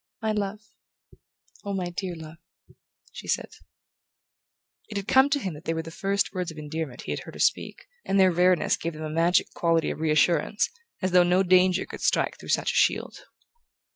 "My love oh, my dear love!" she said. It came to him that they were the first words of endearment he had heard her speak, and their rareness gave them a magic quality of reassurance, as though no danger could strike through such a shield.